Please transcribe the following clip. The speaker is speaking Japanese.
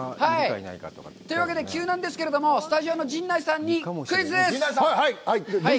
というわけで急なんですけれども、スタジオの陣内さんにクイズです。